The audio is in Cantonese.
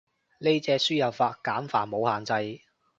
呢隻輸入法繁簡冇限制